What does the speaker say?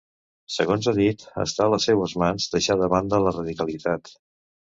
Segons ha dit, “està a les seues mans deixar de banda la radicalitat”.